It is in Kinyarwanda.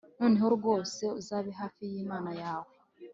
noneho rwose, uzabe hafi y'imana yawe